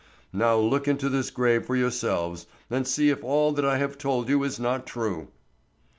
Now look into this grave for yourselves, and see if all that I have told you is not true."